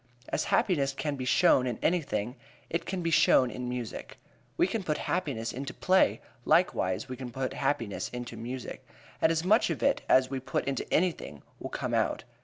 As happiness can be shown in anything, it can be shown in music. We can put happiness into play, likewise we can put happiness into music. And as much of it as we put into anything will come out.